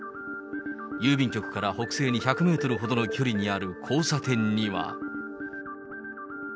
郵便局から北西に１００メートルほどの距離にある交差点には。